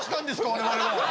我々は。